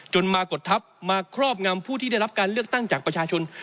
มากดทัพมาครอบงำผู้ที่ได้รับการเลือกตั้งจากประชาชน